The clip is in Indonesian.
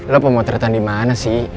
lo pemotretan dimana sih